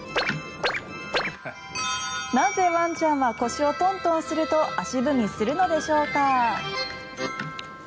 なぜワンちゃんは腰をトントンすると足踏みするのでしょうか？